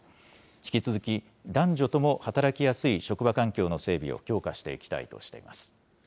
引き続き、男女とも働きやすい職場環境の整備を強化していきたいとしています。